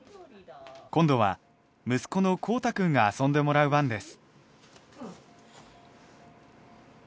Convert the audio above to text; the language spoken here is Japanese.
今度は息子の皓大くんが遊んでもらう番です。